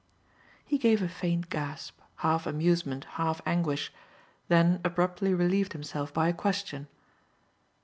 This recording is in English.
He gave a faint gasp, half amusement, half anguish, then abruptly relieved himself by a question.